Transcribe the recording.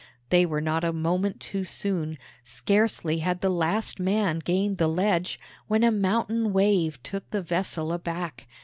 They were not a moment too soon. Scarcely had the last man gained the ledge, when a mountain wave took the vessel aback.